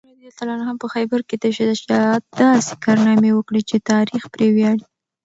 علي رض په خیبر کې د شجاعت داسې کارنامې وکړې چې تاریخ پرې ویاړي.